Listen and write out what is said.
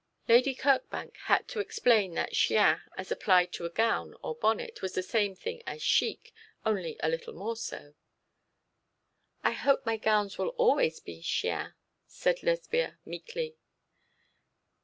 Lady Kirkbank had to explain that chien as applied to a gown or bonnet was the same thing as chic, only a little more so. 'I hope my gowns will always be chien,' said Lesbia meekly.